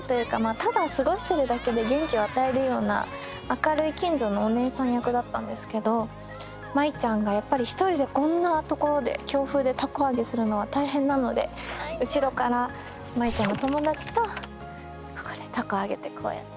ただ過ごしてるだけで元気を与えるような明るい近所のおねえさん役だったんですけど舞ちゃんがやっぱり一人でこんな所で強風で凧揚げするのは大変なので後ろから舞ちゃんの友達とここで凧揚げてこうやって揚げてました。